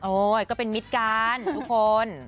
โอยก็เป็นมิจการทุกคน